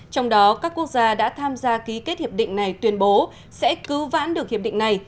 trong đó các quốc gia đã tham gia ký kết hiệp định này tuyên bố sẽ cứu vãn được hiệp định này